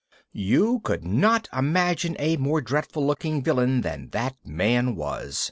] You could not imagine a more dreadful looking villain than that man was.